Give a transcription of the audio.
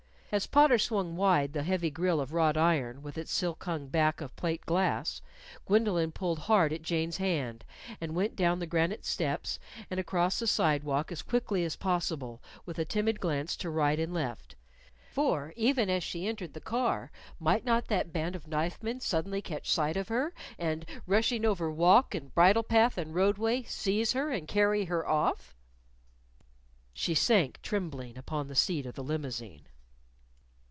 As Potter swung wide the heavy grille of wrought iron, with its silk hung back of plate glass, Gwendolyn pulled hard at Jane's hand, and went down the granite steps and across the sidewalk as quickly as possible, with a timid glance to right and left. For, even as she entered the car, might not that band of knife men suddenly catch sight of her, and, rushing over walk and bridle path and roadway, seize her and carry her off? She sank, trembling, upon the seat of the limousine.